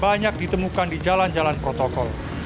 banyak ditemukan di jalan jalan protokol